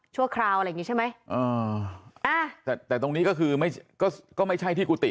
คราวอะไรอย่างงี้ใช่ไหมอ่าอ่าแต่แต่ตรงนี้ก็คือไม่ก็ก็ไม่ใช่ที่กุฏิ